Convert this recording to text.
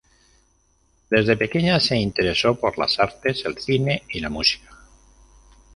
Desde pequeña se interesó por las artes, el cine y la música.